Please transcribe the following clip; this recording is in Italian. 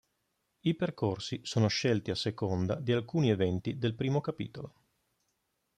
I percorsi sono scelti a seconda di alcuni eventi del primo capitolo.